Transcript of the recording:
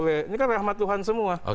ini kan rahmat tuhan semua